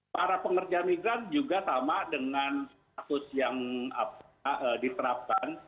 para pekerja migran juga sama dengan status yang diterapkan